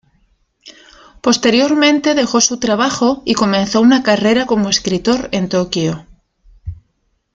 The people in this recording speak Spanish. Posteriormente, dejó su trabajo y comenzó una carrera como escritor en Tokio.